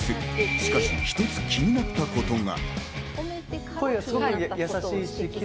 しかし一つ気になったことが。